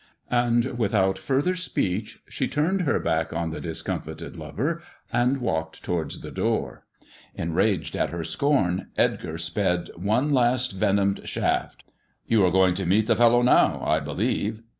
And without further speech she turned her back on the discomfited lover and walked towards the door. Enraged at her scorn, Edgar sped one last venomed shaft. " You are going to meet the fellow now, I believe."